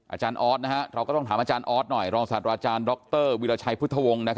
อาจารย์ออสเราก็ต้องถามอาจารย์ออสหน่อยรองศาสตราอาจารย์ดรวิราชัยพุทธวงศ์